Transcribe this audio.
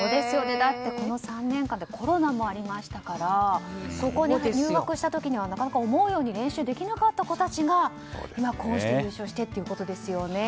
だって、この３年間はコロナもありましたから高校に入学した時にはなかなか思うように練習できなかった子たちが今こうして優勝してということですよね。